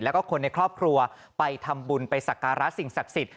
แล้วก็คนในครอบครัวไปทำบุญไปศักราชสิงห์ศักรสิทธิ์